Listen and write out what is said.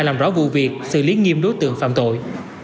làm rõ vụ việc xử lý nghiêm đối tượng phạm tội